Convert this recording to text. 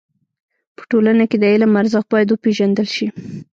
په ټولنه کي د علم ارزښت بايد و پيژندل سي.